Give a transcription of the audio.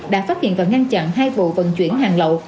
đã phát hiện và ngăn chặn hai vụ vận chuyển hàng lậu